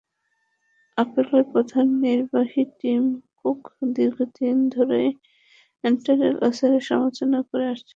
অ্যাপলের প্রধান নির্বাহী Tim Cook দীর্ঘদিন ধরেই অ্যান্ড্রয়েড ওএসের সমালোচনা করে আসছেন।